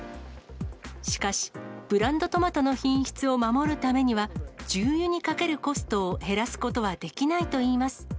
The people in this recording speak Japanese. しかし、ブランドトマトの品質を守るためには、重油にかけるコストを減らすことはできないといいます。